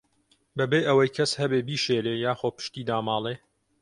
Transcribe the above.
بەبێ وەی کەس هەبێ بیشێلێ، یاخۆ پشتی داماڵێ